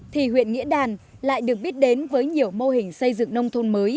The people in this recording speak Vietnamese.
thì huyện nghĩa đàn lại được biết đến với nhiều mô hình xây dựng nông thôn mới